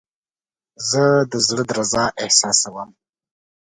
زه د زړه درزا احساسوم.